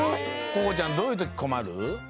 ここちゃんどういうときこまる？